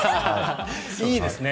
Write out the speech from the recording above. いいですね。